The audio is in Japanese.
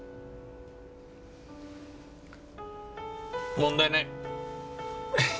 問題ない。